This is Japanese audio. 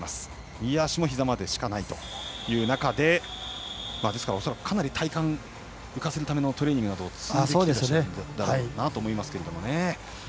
右足もひざまでしかないという中で恐らく、かなり体幹浮かせるためのトレーニングを積んできているんだろうと思います。